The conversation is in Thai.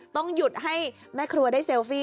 ต้องหยุดให้แม่ครัวได้เซลฟี่